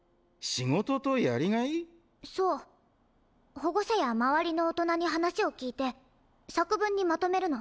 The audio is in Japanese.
保護者や周りの大人に話を聞いて作文にまとめるの。